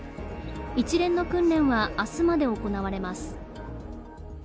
一連の訓練は明日まで行われます。